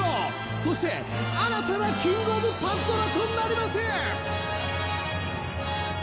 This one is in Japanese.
そして新たなキング・オブ・パズドラとなります！